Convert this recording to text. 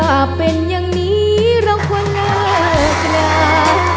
ถ้าเป็นอย่างนี้เราควรเนิดกลาง